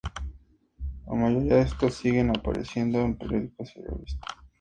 La mayoría de estos siguen apareciendo en periódicos y revistas.